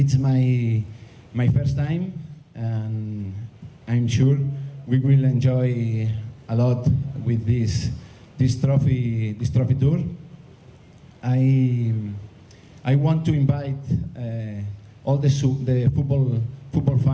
saya ingin mengambil semua fans sepak bola